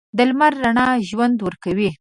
د لمر رڼا ژوند ورکوي.